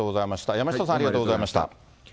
山下さん、ありがとうございました。